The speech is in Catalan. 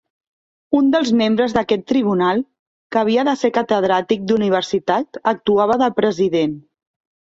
Un dels membres d'aquest tribunal, que havia de ser Catedràtic d'Universitat, actuava de President.